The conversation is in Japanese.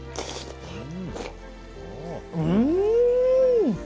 うん！